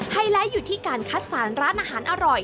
ไลท์อยู่ที่การคัดสารร้านอาหารอร่อย